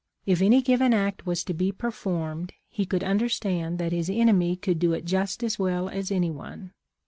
If any given act was to be performed, he could understand that his enemy could do it just as well as anyone.